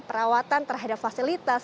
perawatan terhadap fasilitas